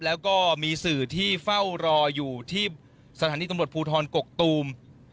แล้วก็มีสื่อที่เฝ้ารออยู่ที่สถานีตำรวจภูทรกกตูม